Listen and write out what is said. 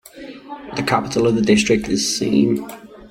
The capital of the district is Same.